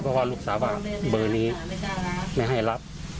เพราะว่าลูกสาวบอกเบอร์นี้ไม่ให้รับ